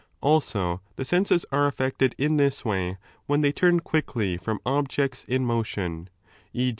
Also, the senses are affected in this way when they turn quickly from objects in motion, e.